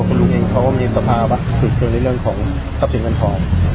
เพราะพวกมันเป็นสาวฟื่นเกินในเรื่องของทัพสินเงินผ่อน